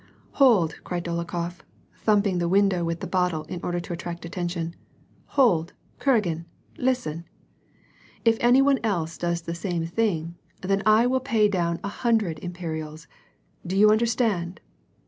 " Hold !" cried Dolokhof, thum])ing on the window with the bottle, in order to atti*act attention, —Hold, Kuragin, listen ! If any one else does the same thing, then I will pay down a hundred imperials. Do you understand